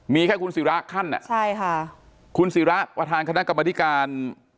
มีแค่คุณศิราคั่นอ่ะคุณศิราวัฒนาคณะกรรมธิการ